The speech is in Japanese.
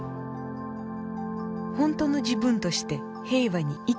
本当の自分として平和に生きていきたい。